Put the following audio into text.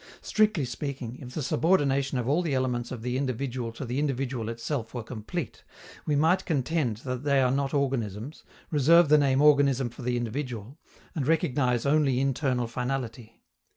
Strictly speaking, if the subordination of all the elements of the individual to the individual itself were complete, we might contend that they are not organisms, reserve the name organism for the individual, and recognize only internal finality.